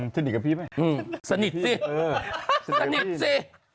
สนิทกับพี่ไหมสนิทสิสนิทสิ